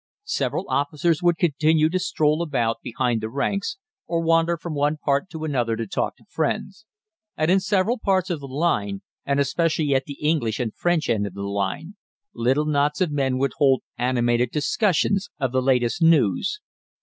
Several officers would continue to stroll about behind the ranks or wander from one part to another to talk to friends; and in several parts of the line, and especially at the English and French end of the line, little knots of men would hold animated discussions of the latest news.